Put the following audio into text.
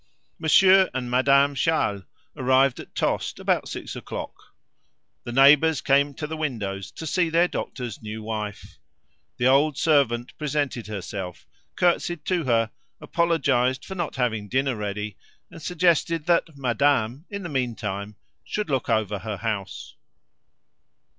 Monsieur and Madame Charles arrived at Tostes about six o'clock. The neighbors came to the windows to see their doctor's new wife. The old servant presented herself, curtsied to her, apologised for not having dinner ready, and suggested that madame, in the meantime, should look over her house.